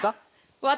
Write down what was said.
私？